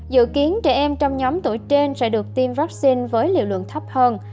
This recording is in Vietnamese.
dự kiến trẻ em trong nhóm tuổi trên sẽ được tiêm vaccine với liều lượng thấp hơn